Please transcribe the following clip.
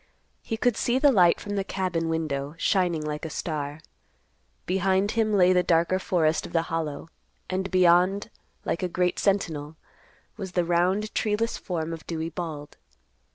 He could see the light from the cabin window shining like a star. Behind him lay the darker forest of the Hollow, and beyond, like a great sentinel, was the round, treeless form of Dewey Bald.